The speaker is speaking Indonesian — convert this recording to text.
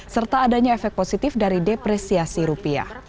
serta adanya efek positif dari depresiasi rupiah